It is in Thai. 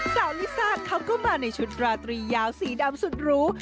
ลิซ่าเขาก็มาในชุดราตรียาวสีดำสุดรู้